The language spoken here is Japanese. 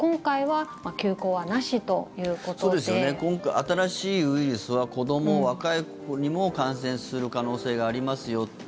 新しいウイルスは子ども、若い子にも感染する可能性がありますよって。